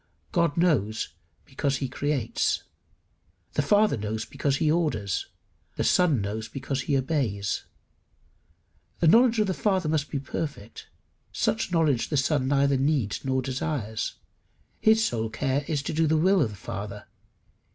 God knows because he creates. The Father knows because he orders. The Son knows because he obeys. The knowledge of the Father must be perfect; such knowledge the Son neither needs nor desires. His sole care is to do the will of the Father.